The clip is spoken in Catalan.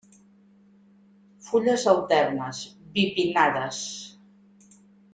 Fulles alternes, bipinnades.